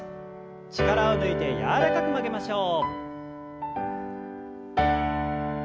力を抜いて柔らかく曲げましょう。